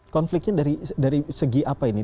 konfliknya dari segi apa ini